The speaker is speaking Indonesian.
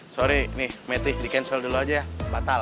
sorry nih metti di cancel dulu aja ya batal